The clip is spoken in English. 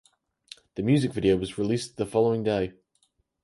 The music video was released the following day.